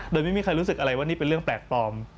โดยไม่มีใครรู้สึกอะไรว่านี่เป็นเรื่องแปลกปลอม